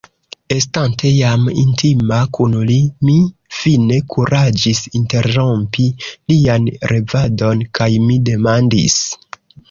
Estante jam intima kun li, mi fine kuraĝis interrompi lian revadon kaj mi demandis: